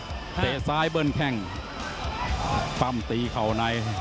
เตะซ้ายเบิ้ลแข้งปั้มตีเข่าใน